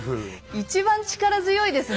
一番力強いですね